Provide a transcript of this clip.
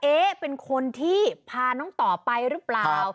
เป็นคนที่พาน้องต่อไปหรือเปล่า